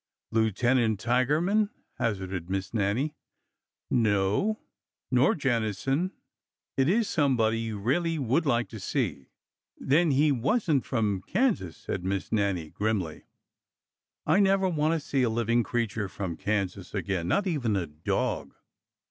Lieutenant Tigerman," hazarded Miss Nannie. '' No. Nor Jennison— nor Lane. It is somebody you really would like to see." '' Then he was n't from Ks ^sas !" said \Iiss Nannie, FORTUNES OF LOVE AND WAR 375 grimly. I never want to see a living creature from Kansas again— not even a dog!